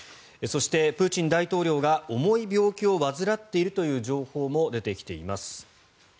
そしてプーチン大統領が重い病気を患っているという情報も出てきています。